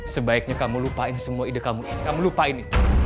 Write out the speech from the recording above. sebaiknya kamu lupain semua ide kamu kamu lupain itu